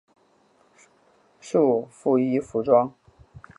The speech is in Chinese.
束缚衣服装。